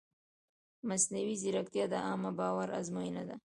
مصنوعي ځیرکتیا د عامه باور ازموینه ده.